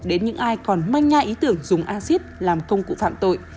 đến những ai còn manh nha ý tưởng dùng acid làm công cụ phạm tội